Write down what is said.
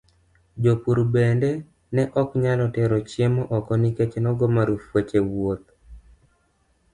Jopur bende ne ok nyal tero chiemo oko nikech nogo marufuk weche wuoth.